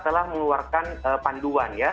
telah mengeluarkan panduan ya